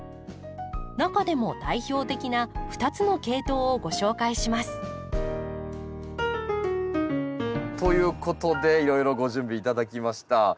中でも代表的な２つの系統をご紹介します。ということでいろいろご準備頂きました。